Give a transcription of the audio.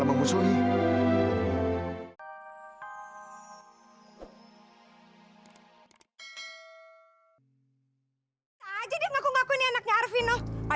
ini adalah anaknya arvinoma